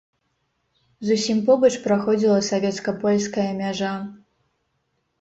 Зусім побач праходзіла савецка-польская мяжа.